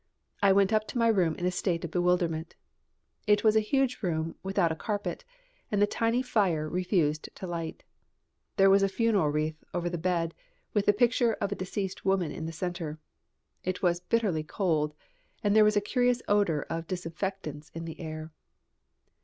I went up to my room in a state of bewilderment. It was a huge room without a carpet, and the tiny fire refused to light. There was a funeral wreath over the bed, with the picture of the deceased woman in the centre. It was bitterly cold, and there was a curious odor of disinfectants in the air.